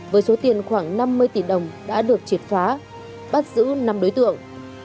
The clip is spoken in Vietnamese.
với số tiền khoảng năm mươi tỷ đồng đã được triệt phá bắt giữ năm đối tượng